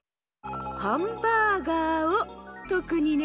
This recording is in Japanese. ハンバーガーをとくにね。